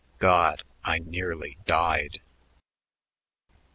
God! I nearly died."